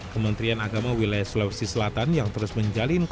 kementerian agama wilayah sulawesi selatan yang terus menjalin